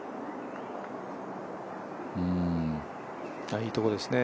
いいところですね